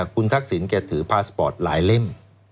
คุณทักษิณแกถือพาสปอร์ตหลายเล่ม